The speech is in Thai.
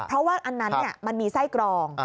เพราะว่าอันนั้นมันมีไส้กรอง